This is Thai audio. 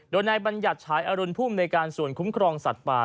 โดยนายบัญญัติฉายอรุณภูมิในการส่วนคุ้มครองสัตว์ป่า